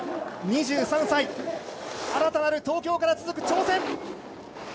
２３歳、新たなる東京から続く挑戦。